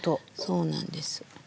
そうなんです。